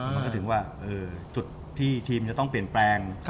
มันก็ถึงว่าจุดที่ทีมจะต้องเปลี่ยนแปลง